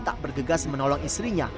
tak bergegas menolong istrinya